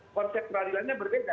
konsep pengadilannya berbeda